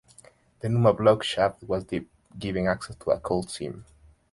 The Numa Block shaft was deep, giving access to a coal seam.